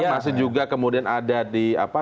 masih juga kemudian ada di apa